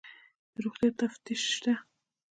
د روغتیا تفتیش شته؟